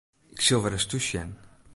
Ik sil wer ris thús sjen.